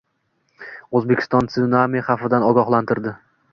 O‘zbekiston tsunami xavfidan ogohlantirdi